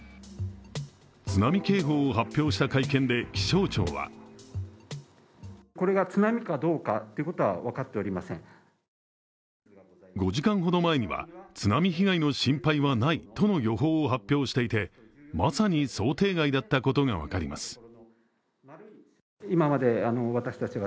津波警報を発表した会見で、気象庁は５時間ほど前には津波被害の心配はないとの予報を発表していて、まさに想定外だったことが分かります。